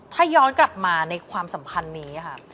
ถ้าย้อนกลับมาในความสัมพันธ์นี้ค่ะ